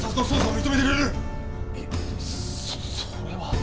そっそれは。